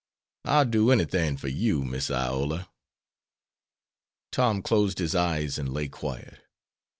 "I'll do enythin' fer yer, Miss Iola." Tom closed his eyes and lay quiet.